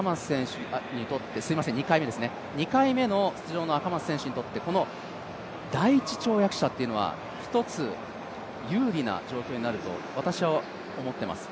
２回目出場の赤松選手にとって、第１跳躍者というのは一つ、有利な状況になると私は思ってます。